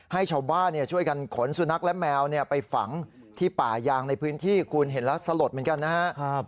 ให้ชาวบ้านช่วยกันขนสุนัขและแมวไปฝังที่ป่ายางในพื้นที่คุณเห็นแล้วสลดเหมือนกันนะครับ